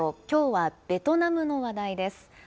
きょうはベトナムの話題です。